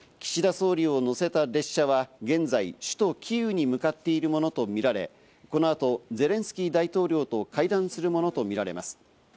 総理を乗せた列車は現在、首都キーウに向かっているものとみられ、この後、ゼレンスキー大統領と会談するものとみられます。